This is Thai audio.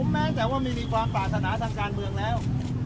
แม้แต่ว่าไม่มีความปรารถนาทางการเมืองแล้ว